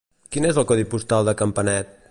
Quin és el codi postal de Campanet?